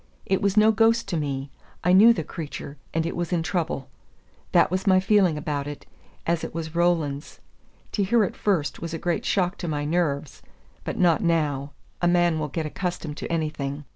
It was no ghost to me. I knew the creature, and it was in trouble. That was my feeling about it, as it was Roland's. To hear it first was a great shock to my nerves, but not now; a man will get accustomed to anything.